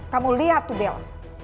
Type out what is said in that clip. kamu lihat tuh bella